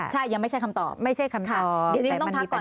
ใช่ยังไม่ใช่คำตอบไม่ใช่คำตอบแต่มันมีประเด็น